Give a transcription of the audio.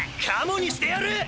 カモにしてやる！